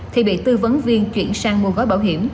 thì bị tư vấn viên chuyển sang mua gói bảo hiểm